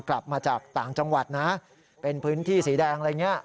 กลับมาจากต่างจังหวัดนะเป็นพื้นที่สีแดงอะไรอย่างนี้